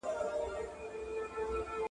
• ورور وژلی ښه دئ، که گومل پري ايښی؟